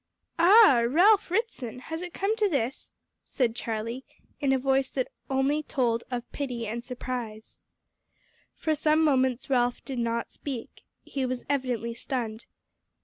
"Ah! Ralph Ritson, has it come to this?" said Charlie, in a voice that told only of pity and surprise. For some moments Ralph did not speak. He was evidently stunned.